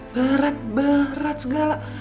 berat berat segala